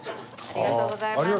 ありがとうございます！